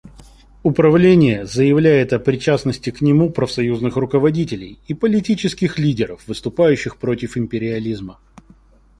Управление заявляет о причастности к нему профсоюзных руководителей и политических лидеров, выступающих против империализма.